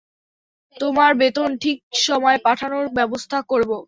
তোমার বেতন ঠিক সময় পাঠানোর ব্যবস্থা করব।